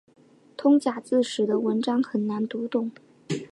通假字使得文章很难读懂。